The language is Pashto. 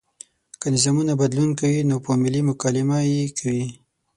که نظامونه بدلون کوي نو په ملي مکالمه یې کوي.